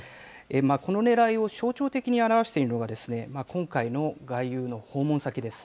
このねらいを象徴的に表しているのが、今回の外遊の訪問先です。